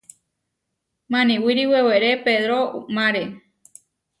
Maniwíri weweré Pedró umáre.